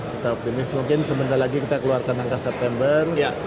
kita optimis mungkin sebentar lagi kita keluarkan angka september